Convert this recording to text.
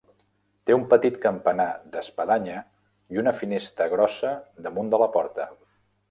Té un petit campanar d'espadanya i una finestra grossa damunt de la porta.